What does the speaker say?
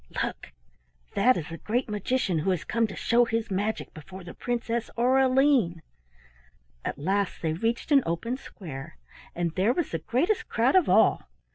look! That is the great magician who had come to show his magic before the Princess Aureline." At last they reached an open square, and there was the greatest crowd of all.